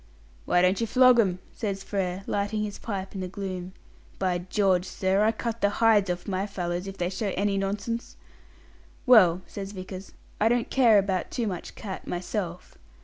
"Why don't you flog 'em?" says Frere, lighting his pipe in the gloom. "By George, sir, I cut the hides off my fellows if they show any nonsense!" "Well," says Vickers, "I don't care about too much cat myself.